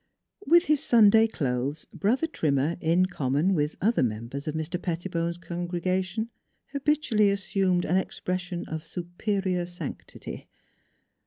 With his Sunday clothes Brother Trim mer, in common with other members of Mr. Pettibone's congregation, habitually assumed an expression of superior sanctity.